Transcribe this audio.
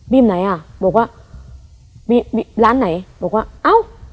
ไหนอ่ะบอกว่ามีมีร้านไหนบอกว่าเอ้า